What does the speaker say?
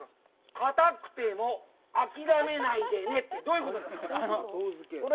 かたくても諦めないでねって、どういうことですか？